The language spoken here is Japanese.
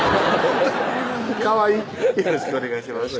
かわいい「よろしくお願いします」